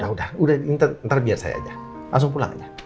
udah udah ntar biar saya aja langsung pulang aja